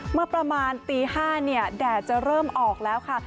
เมื่อประมาณตี๕แดดจะเริ่มออกแล้วค่ะ